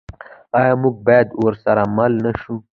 آیا موږ باید ورسره مل نشو؟